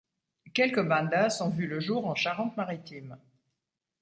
Quelques bandas ont vu le jour en Charente-Maritime.